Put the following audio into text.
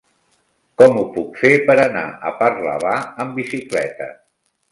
Com ho puc fer per anar a Parlavà amb bicicleta?